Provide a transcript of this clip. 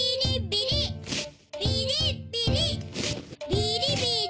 ビリビリ！